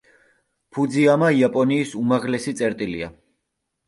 ფუძიამა იაპონიის უმაღლესი წერტილია.